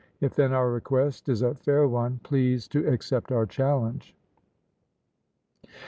If then our request is a fair one, please to accept our challenge.